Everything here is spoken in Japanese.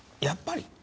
やっぱり？